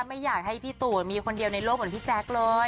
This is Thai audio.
ไม่อยากให้พี่ตู่มีคนเดียวในโลกเหมือนพี่แจ๊คเลย